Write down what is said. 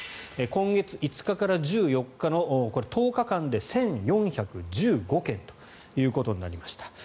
今月５日から１４日の１０日間で１４１５件ということになりました。